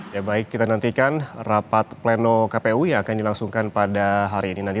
ya baik kita nantikan rapat pleno kpu yang akan dilangsungkan pada hari ini nanti